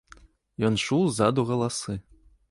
Ён чуў ззаду галасы.